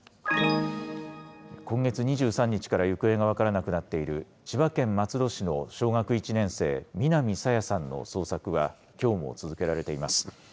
今月２３日から行方が分からなくなっている千葉県松戸市の小学１年生、南朝芽さんの捜索はきょうも続けられています。